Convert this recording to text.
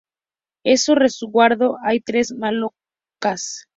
En su resguardo hay tres malocas.